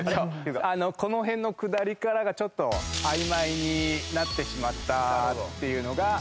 この辺のくだりからがちょっと曖昧になってしまったっていうのが。